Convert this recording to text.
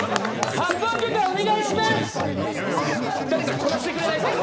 発砲許可お願いします。